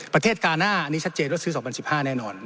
การหน้าอันนี้ชัดเจนว่าซื้อ๒๐๑๕แน่นอน